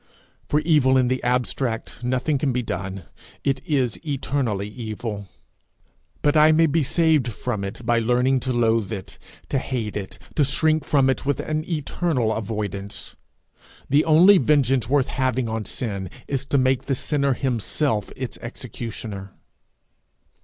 For evil in the abstract, nothing can be done. It is eternally evil. But I may be saved from it by learning to loathe it, to hate it, to shrink from it with an eternal avoidance. The only vengeance worth having on sin is to make the sinner himself its executioner.